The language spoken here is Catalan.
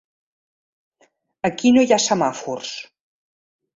Aquí no hi ha semàfors.